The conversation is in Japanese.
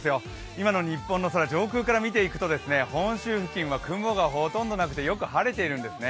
今の日本の空上空から見ていくと本州付近は雲がほとんどなくてよく晴れているんですね。